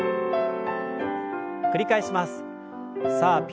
繰り返します。